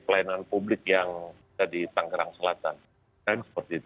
pelayanan publik yang ada di tangerang selatan